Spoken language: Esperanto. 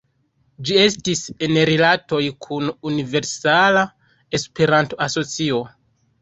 Ĝi estis en rilatoj kun Universala Esperanto-Asocio.